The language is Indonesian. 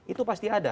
itu pasti ada